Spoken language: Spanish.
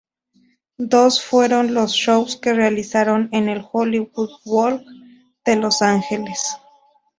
Dos fueron los shows que realizaron en el Hollywood Bowl de Los Ángeles.